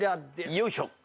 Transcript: よいしょ。